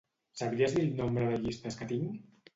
Sabries dir el nombre de llistes que tinc?